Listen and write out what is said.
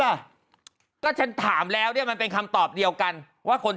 มาตอนที่แบบมาพร้อมกับลูกด้วย